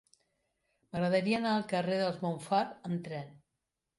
M'agradaria anar al carrer dels Montfar amb tren.